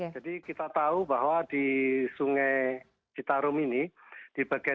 jadi kita tahu bahwa di sungai citarum ini di bagian depan